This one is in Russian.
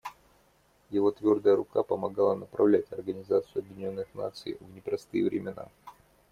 Его твердая рука помогала направлять Организацию Объединенных Наций в непростые времена.